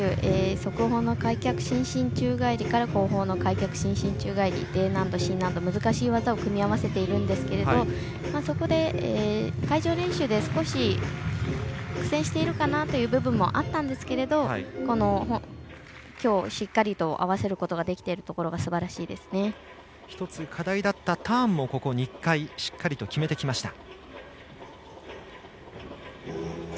側方の開脚伸身宙返りから後方の開脚伸身宙返りＤ難度、Ｃ難度、難しい技を組み合わせているんですけどそこで会場練習で少し苦戦しているかなという部分もあったんですけどもきょう、しっかりと合わせることができているところが１つ課題だったターンもしっかりと決めてきました。